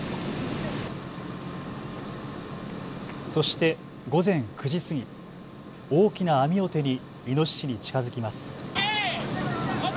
そして午前９時過ぎ、大きな網を手にイノシシに近づきます。